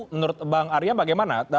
menurut bang arya bagaimana